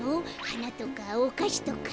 はなとかおかしとか。